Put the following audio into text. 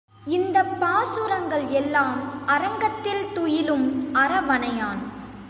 இந்தப் பாசுரங்கள் எல்லாம் அரங்கத்தில் துயிலும் அரவணையான்.